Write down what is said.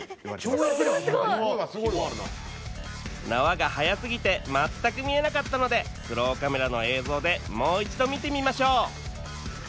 縄が速すぎて全く見えなかったのでスローカメラの映像でもう一度見てみましょう